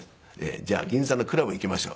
「じゃあ銀座のクラブ行きましょう」。